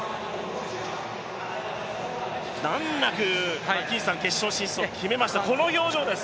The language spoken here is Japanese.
難なく決勝進出を決めました、この表情です。